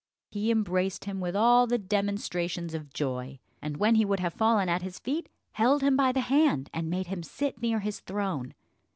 He embraced him with all the demonstrations of joy, and when he would have fallen at his feet, held him by the hand, and made him sit near his throne.